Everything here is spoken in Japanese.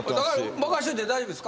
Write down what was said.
任しといて大丈夫ですか？